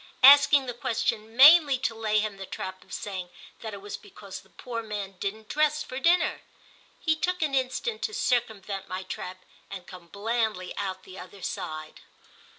—asking the question mainly to lay him the trap of saying that it was because the poor man didn't dress for dinner. He took an instant to circumvent my trap and come blandly out the other side.